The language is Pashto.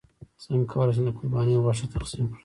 څنګه کولی شم د قرباني غوښه تقسیم کړم